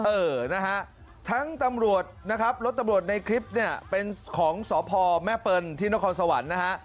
เออนะฮะทั้งรถตำรวจในคลิปเป็นของสพแม่เปิลที่นครสวรรค์นะฮะ